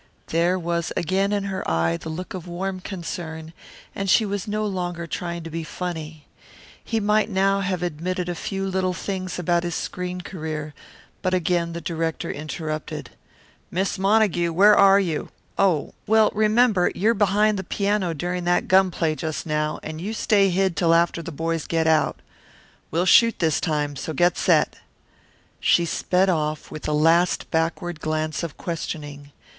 There was again in her eye the look of warm concern, and she was no longer trying to be funny. He might now have admitted a few little things about his screen career, but again the director interrupted. "Miss Montague where are you? Oh! Well, remember you're behind the piano during that gun play just now, and you stay hid till after the boys get out. We'll shoot this time, so get set." She sped off, with a last backward glance of questioning.